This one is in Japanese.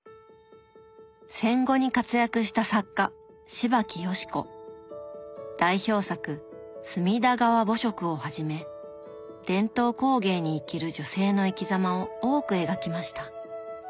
戦後に活躍した代表作「隅田川暮色」をはじめ伝統工芸に生きる女性の生きざまを多く描きました。